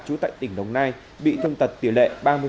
chú tại tỉnh đồng nai bị thương tật tiểu lệ ba mươi